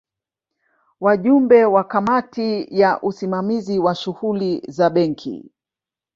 Wajumbe wa Kamati ya Usimamizi wa Shughuli za Benki